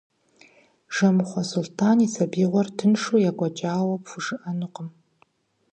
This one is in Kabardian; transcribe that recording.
Жэмыхъуэ Сулътӏан и сабиигъуэр тыншу екӏуэкӏауэ пхужыӏэнукъым.